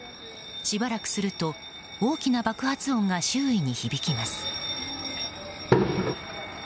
しばらくすると大きな爆発音が周囲に響きます。